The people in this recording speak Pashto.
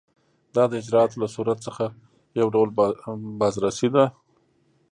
دا د اجرااتو له صورت څخه یو ډول بازرسي ده.